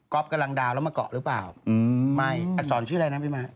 กำลังดาวนแล้วมาเกาะหรือเปล่าไม่อักษรชื่ออะไรนะพี่ม้า